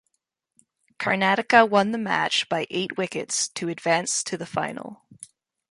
Karnataka won the match by eight wickets to advance to the final.